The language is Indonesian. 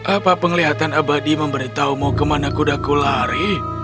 apa penglihatan abadi memberitahumu kemana kudaku lari